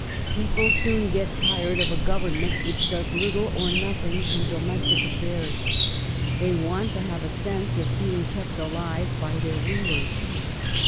People soon get tired of a Government which does little or nothing in domestic affairs. They want to have a sense of being kept alive by their rulers.